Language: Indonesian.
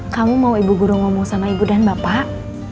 kamu mau ibu guru ngomong sama ibu dan bapak